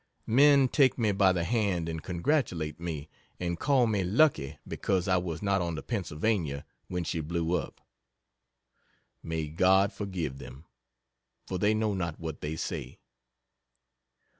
Men take me by the hand and congratulate me, and call me "lucky" because I was not on the Pennsylvania when she blew up! May God forgive them, for they know not what they say.